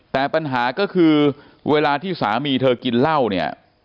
แต่ปัญหาก็คือเวลาที่สามีเธอกินเหล้าเนี่ย